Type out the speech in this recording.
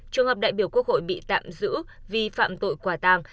trường hợp đại biểu quốc hội bị tạm giữ vì phạm tội quả tàng